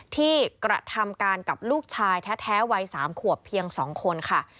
ที่กระทำการกับลูกชายแท้วัย๓ขวบเพียง๒คนค่ะ